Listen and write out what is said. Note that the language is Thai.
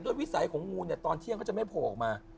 วิสัยของงูเนี่ยตอนเที่ยงเขาจะไม่โผล่ออกมา